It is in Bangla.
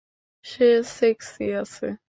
সে সেক্সি আছে।